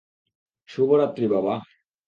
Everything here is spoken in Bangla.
শুভরাত্রি, বাবা।